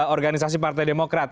organisasi partai demokrat